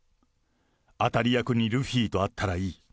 当たり役にルフィとあったらいい。